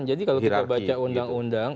jadi kalau kita baca undang undang